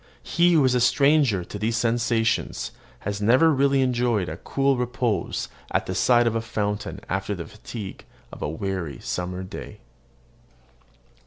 He who is a stranger to these sensations has never really enjoyed cool repose at the side of a fountain after the fatigue of a weary summer day.